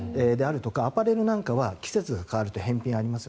アパレルなんかは季節が変わると返品があります。